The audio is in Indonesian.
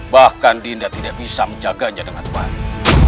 bahkan dinda tidak bisa menjaganya dengan baik